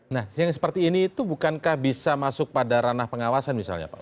nah yang seperti ini itu bukankah bisa masuk pada ranah pengawasan misalnya pak